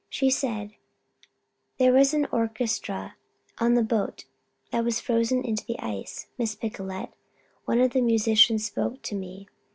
She said: "There was an orchestra on that boat that was frozen into the ice, Miss Picolet. One of the musicians spoke to me.